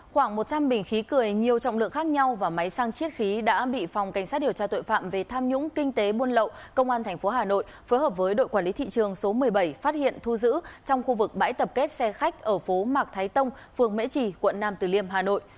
khoảng một trăm linh bình khí cười nhiều trọng lượng khác nhau và máy sang chiết khí đã bị phòng cảnh sát điều tra tội phạm về tham nhũng kinh tế buôn lậu công an tp hà nội phối hợp với đội quản lý thị trường số một mươi bảy phát hiện thu giữ trong khu vực bãi tập kết xe khách ở phố mạc thái tông phường mễ trì quận nam từ liêm hà nội